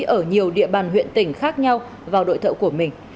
ở nhiều địa bàn huyện tỉnh khác nhau vào đội thợ của mình